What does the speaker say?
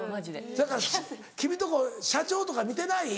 せやから君んとこ社長とか見てない？